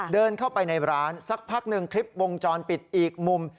เดินเข้าไปในร้านสักพักหนึ่งคลิปวงจรปิดอีกมุม